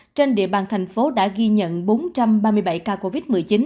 trên địa bàn thành phố đã ghi nhận bốn trăm ba mươi bảy ca covid một mươi chín